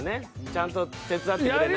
ちゃんと手伝ってくれない。